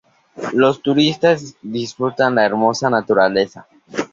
Los turistas disfrutan la hermosa naturaleza.